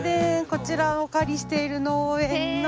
こちらお借りしている農園の。